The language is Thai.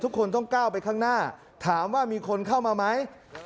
ทุกคนต้องก้าวไปข้างหน้าถามว่ามีคนเข้ามาไหม